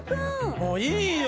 もういいよ。